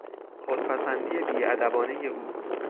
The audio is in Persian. خودپسندی بیادبانهی او